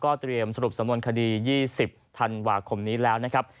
เตรียมสรุปสำนวนคดี๒๐ธันวาคมนี้แล้วนะครับ